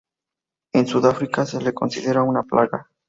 En Sudáfrica se le considera una plaga.